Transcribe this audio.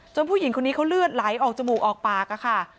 ผู้หญิงคนนี้เขาเลือดไหลออกจมูกออกปากค่ะ